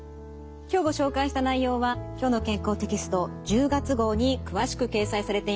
今日ご紹介した内容は「きょうの健康」テキスト１０月号に詳しく掲載されています。